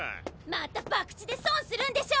またバクチで損するんでしょ！